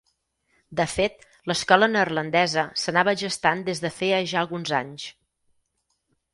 De fet, l'escola neerlandesa s'anava gestant des de feia ja alguns anys.